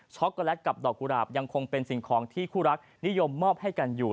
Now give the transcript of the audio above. โกแลตกับดอกกุหลาบยังคงเป็นสิ่งของที่คู่รักนิยมมอบให้กันอยู่